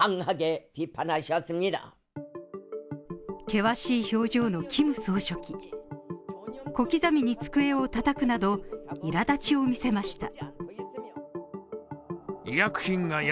険しい表情のキム総書記、小刻みに机を叩くなど、いら立ちを見せました。